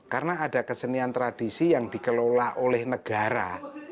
karena ada kesenian tradisi yang dikelola oleh negara